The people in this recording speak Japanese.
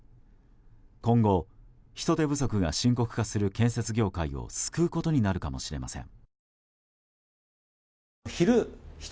今後、人手不足が深刻化する建設業界を救うことになるかもしれません。